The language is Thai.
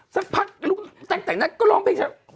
สักพักแตกนักก็ร้องเพลงฉลาม